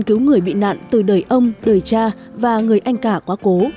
cứu người bị nạn từ đời ông đời cha và người anh cả quá cố